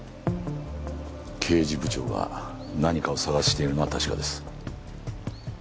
刑事部長が何かを探しているのは確かです。